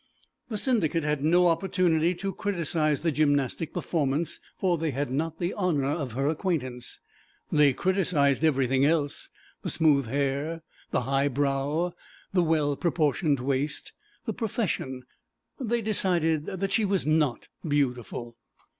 The Syndicate had no opportunity to criticise the gymnastic performance, for they had not the honour of her acquaintance; they criticised everything else, the smooth hair, the high brow, the well proportioned waist, the profession; they decided that she was not beautiful.